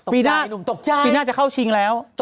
ปีหน้าปีหน้าจะเข้าชิงแล้ว